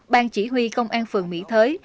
bang chỉ huy công an phường mỹ thới